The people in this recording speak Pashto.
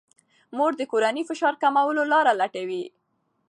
مور د کورنۍ د فشار کمولو لارې لټوي.